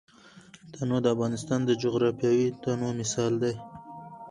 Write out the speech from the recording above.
تنوع د افغانستان د جغرافیوي تنوع مثال دی.